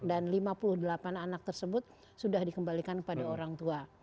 dan lima puluh delapan anak tersebut sudah dikembalikan kepada orang tua